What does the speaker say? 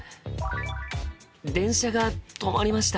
電車が止まりました。